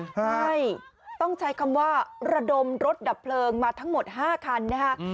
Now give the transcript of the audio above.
ใช่ต้องใช้คำว่าระดมรถดับเพลิงมาทั้งหมด๕คันนะฮะ